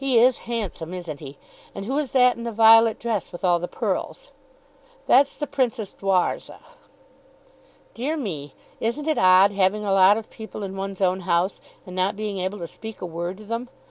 He is handsome; isn't he? And who is that in the violet dress; with all the pearls?" "That's the Princess Dwarza." "Dear me; isn't it odd, having a lot of people in one's own house, and not being able to speak a word to them?